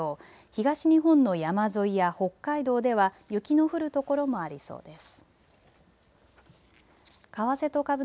東日本の山沿いや北海道では雪の降る所もありそうです。